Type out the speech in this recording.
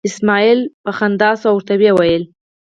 اسمعیل موسکی شو او ورته یې وویل.